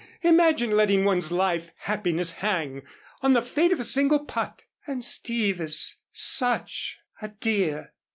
Imagine letting one's life happiness hang on the fate of a single putt." "And Steve is such a dear."